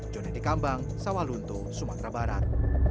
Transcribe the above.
joni dekambang sawalunto sumatera barat